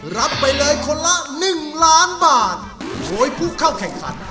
รับไปเลยคนละหนึ่งล้านบาทโดยผู้เข้าแข่งขัน